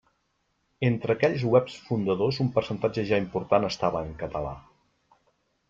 Entre aquells webs fundadors un percentatge ja important estava en català.